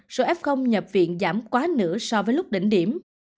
số ép không nhập viện giảm quá nửa so với lúc đỉnh điểm